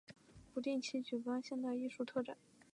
不定期举办现代艺术特展。